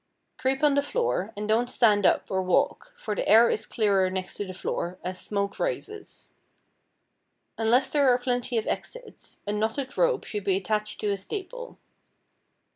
Creep on the floor and don't stand up or walk, for the air is clearer next to the floor, as smoke rises. Unless there are plenty of exits, a knotted rope should be attached to a staple.